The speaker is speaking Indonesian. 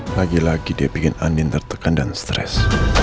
lagi lagi dia bikin amin tertekan dan stres